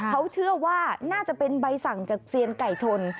เขาเชื่อว่าน่าจะเป็นใบสั่งจากเซียนไก่ชน